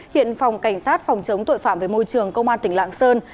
hiện phòng cảnh sát phòng chống tội phạm về môi trường công an tỉnh lạng sơn